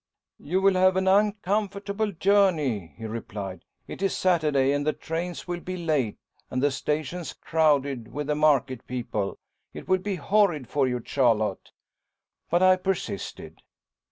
"You will have an uncomfortable journey," he replied. "It is Saturday, and the trains will be late, and the stations crowded with the market people. It will be horrid for you, Charlotte." But I persisted.